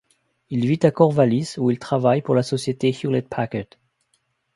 Il vit à Corvalis, où il travaille, pour la société Hewlett Packard.